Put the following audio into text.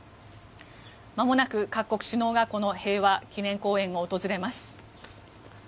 まもなく各国首脳がこの平和記念公園を訪れます。